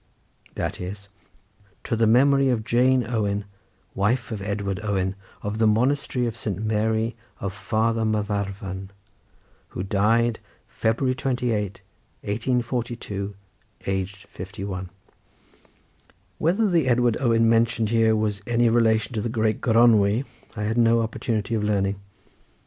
i.e. "To the memory of Jane Owen wife of Edward Owen, of the monastery of St. Mary of farther Mathafarn, who died February 28, 1842, aged fifty one." Whether the Edward Owen mentioned here was any relation to the great Gronwy, I had no opportunity of learning.